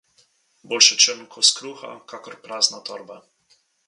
Bolje črn kos kruha, kakor prazna torba.